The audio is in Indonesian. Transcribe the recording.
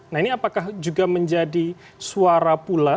nah ini apakah juga menjadi suara pula